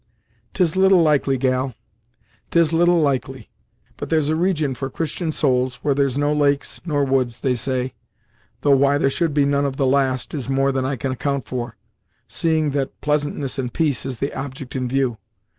"'Tis little likely, gal; 'tis little likely; but there's a region for Christian souls, where there's no lakes, nor woods, they say; though why there should be none of the last, is more than I can account for; seeing that pleasantness and peace is the object in view.